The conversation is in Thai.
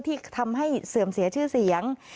ที่ทำให้เสื่อมเสียชื่อเสียง